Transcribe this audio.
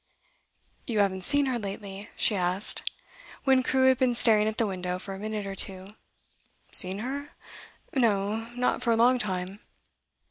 You haven't seen her lately?' she asked, when Crewe had been staring at the window for a minute or two. 'Seen her? No; not for a long time.